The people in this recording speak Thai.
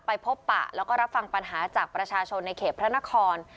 พบปะแล้วก็รับฟังปัญหาจากประชาชนในเขตพระนคร